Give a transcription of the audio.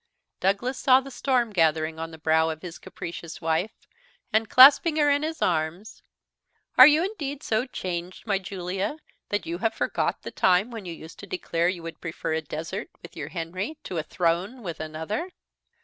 Douglas saw the storm gathering on the brow of his capricious wife, and clasping her in his arms, "Are you indeed so changed, my Julia, that you have forgot the time when you used to declare you would prefer a desert with your Henry to a throne with another."